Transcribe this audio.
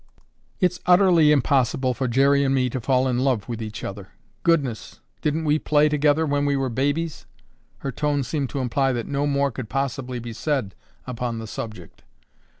"It's utterly impossible for Jerry and me to fall in love with each other. Goodness, didn't we play together when we were babies?" Her tone seemed to imply that no more could possibly be said upon the subject.